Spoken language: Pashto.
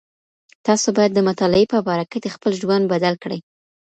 تاسو بايد د مطالعې په برکت خپل ژوند بدل کړئ.